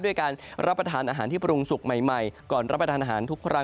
ด้วยการรับประทานอาหารที่ปรุงสุกใหม่ก่อนรับประทานอาหารทุกครั้ง